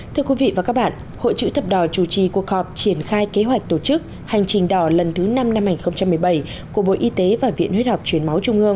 thưa quý vị và các bạn hội chữ thập đỏ chủ trì cuộc họp triển khai kế hoạch tổ chức hành trình đỏ lần thứ năm năm hai nghìn một mươi bảy của bộ y tế và viện huyết học truyền máu trung ương